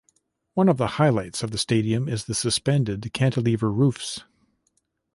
One of the highlights of the stadium is the suspended cantilever roofs.